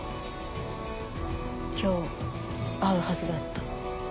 今日会うはずだった。